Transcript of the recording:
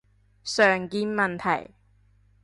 常見問題